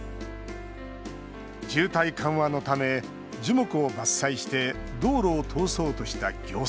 渋滞緩和のため樹木を伐採して道路を通そうとした行政。